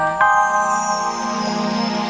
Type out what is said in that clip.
nanti kita bicarakan agresi belanda